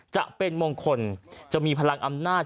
จะเป็นมงคลจะมีพลังอำนาจ